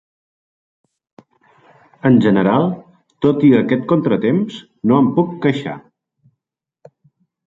En general, tot i aquest contratemps, no em puc queixar.